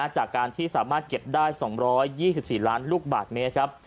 จากการที่สามารถเก็บได้๒๒๔ล้านลูกบาทเมตรครับ